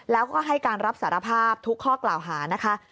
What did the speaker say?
แล้วก็ให้การรับสารภาพทุกข้อกล่าวหานะคะ